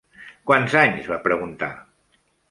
"Quants anys?" va preguntar.